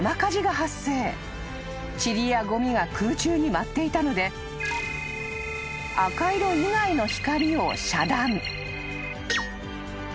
［ちりやごみが空中に舞っていたので赤色以外の光を遮断］